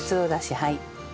はい。